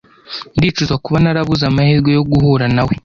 Ndicuza kuba narabuze amahirwe yo guhura nawe.